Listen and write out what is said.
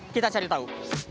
kita cari tahu